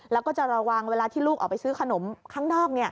แล้วก็จะระวังเวลาที่ลูกออกไปซื้อขนมข้างนอก